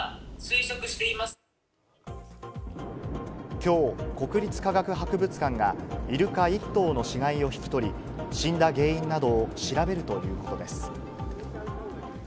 今日、国立科学博物館がイルカ１頭の死骸を引き取り、死んだ原因などを調べるということです。